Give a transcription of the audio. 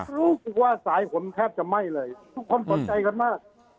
รู้สึกว่าสายฝนแทบจะไหม้เลยทุกคนสนใจกันมาก